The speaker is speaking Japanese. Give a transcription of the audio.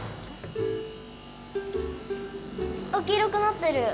あっ黄色くなってる！